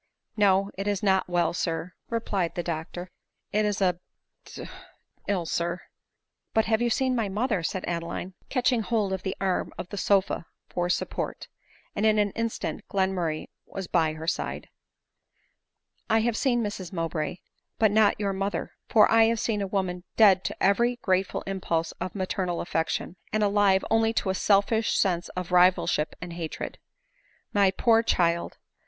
No, it is not well sir," replied the doctor ;" it is d ,— d ill, sir." *' You have seen my mother," said Adeline, catching hold of the arm of the sofa for support ; and in an instant Glenmurray was by her side. " I have seen Mrs Mowbray, but not your mother ; for I have seen a woman dead to every grateful impulse of maternal affection, and alive only to a selfish sense of rivalship and hatred. My poor child !